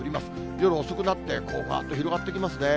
夜遅くなって、ばーっと広がってきますね。